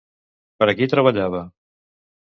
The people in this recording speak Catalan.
Per a qui treballava?